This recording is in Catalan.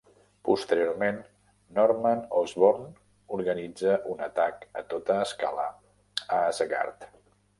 Posteriorment, Norman Osborn organitza un atac a tota escala a Asgard.